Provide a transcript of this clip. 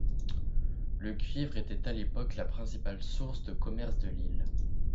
Le cuivre était à l’époque la principale source de commerce de l'île.